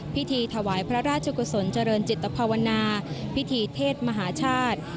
พิธีถวายพระราชกุศลเจริญจิตภาวนาพิธีเทศมหาชาติ